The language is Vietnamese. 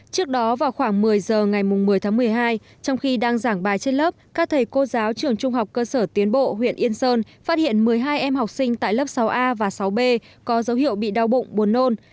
trước đó vào khoảng một mươi giờ ngày một mươi tháng một mươi hai trong khi đang giảng bài trên lớp các thầy cô giáo trường trung học cơ sở tiến bộ huyện yên sơn phát hiện một mươi hai em học sinh tại lớp sáu a và sáu b có dấu hiệu bị đau bụng buồn nôn